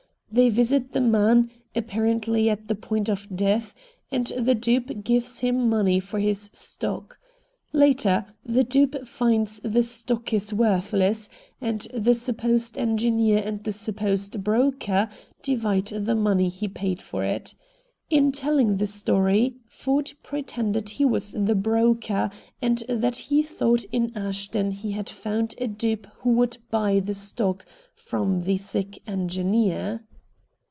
They visit the man, apparently at the point of death, and the dupe gives him money for his stock. Later the dupe finds the stock is worthless, and the supposed engineer and the supposed broker divide the money he paid for it. In telling the story Ford pretended he was the broker and that he thought in Ashton he had found a dupe who would buy the stock from the sick engineer.